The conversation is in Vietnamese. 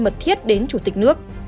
mật thiết đến chủ tịch nước